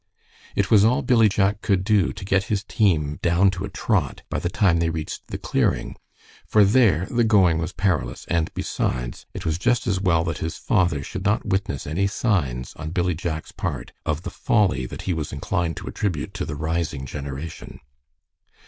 It was all Billy Jack could do to get his team down to a trot by the time they reached the clearing, for there the going was perilous, and besides, it was just as well that his father should not witness any signs on Billy Jack's part of the folly that he was inclined to attribute to the rising generation.